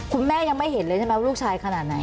คุณแม่ยังไม่เห็นเลยใช่ไหมว่าลูกชายขนาดไหน